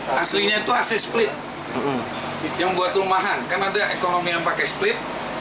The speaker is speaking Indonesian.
ini split yang buat rumahan karena ada ekonomi yang pakai split